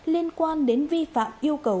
liên quan đến vi phạm yêu cầu